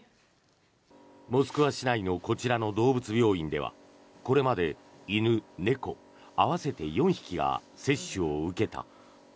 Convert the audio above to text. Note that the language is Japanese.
モスクワ市内のこちらの動物病院ではこれまで犬、猫合わせて４匹が接種を受けた。